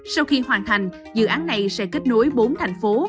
sau khi hoàn thành dự án này sẽ kết nối bốn thành phố